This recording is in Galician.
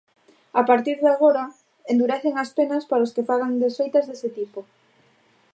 A partir de agora, endurecen as penas para os que fagan desfeitas dese tipo.